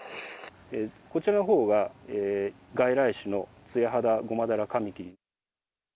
こちらのほうが、外来種のツヤハダゴマダラカミキリ。